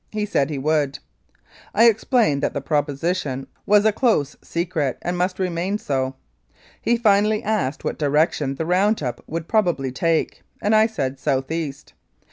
He said he would. I explained that the proposition was a close secret and must remain so. He finally asked what direction the round up would prob ably take, and I said, "South east."